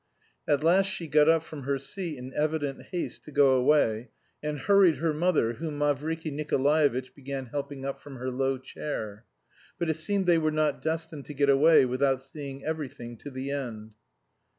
At last she got up from her seat in evident haste to go away, and hurried her mother whom Mavriky Nikolaevitch began helping up from her low chair. But it seemed they were not destined to get away without seeing everything to the end.